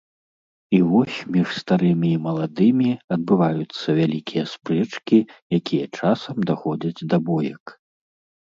І вось між старымі і маладымі адбываюцца вялікія спрэчкі, якія часам даходзяць да боек.